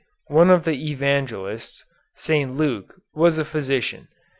One of the Evangelists, St. Luke, was a physician.